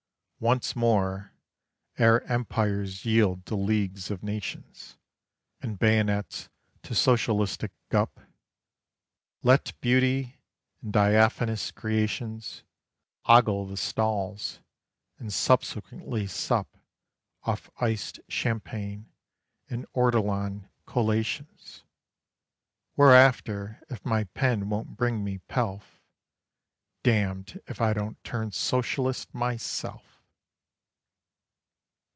Once more ere Empires yield to Leagues of Nations, And bayonets to Socialistic gup Let Beauty, in diaphanous creations, Ogle the stalls, and subsequently sup Off iced champagne and ortolan collations.... Whereafter, if my pen won't bring me pelf, Damned if I don't turn Socialist myself!